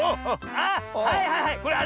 あっはいはいはいこれあれだ。